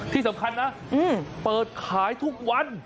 ที่สำคัญนะเปิดขายทุกวัน